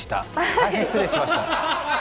大変失礼しました。